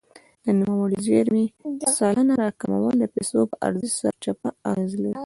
د نوموړې زیرمې سلنه راکمول د پیسو پر عرضې سرچپه اغېز لري.